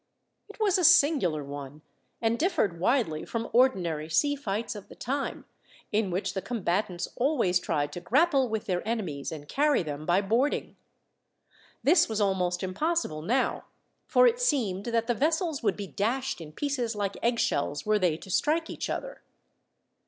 It was a singular one, and differed widely from ordinary sea fights of the time, in which the combatants always tried to grapple with their enemies and carry them by boarding. This was almost impossible now, for it seemed that the vessels would be dashed in pieces like eggshells were they to strike each other.